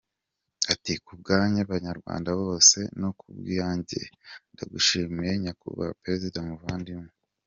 Ati “Ku bw’abanyarwanda bose no ku bwanjye, ndagushimiye Nyakubahwa Perezida muvandimwe.